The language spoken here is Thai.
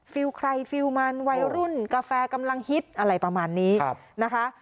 ใครฟิลมันวัยรุ่นกาแฟกำลังฮิตอะไรประมาณนี้นะคะ